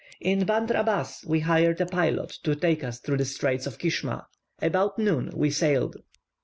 In Bandr Abas we hired a pilot to take us through the Straits of Kishma. About noon we sailed.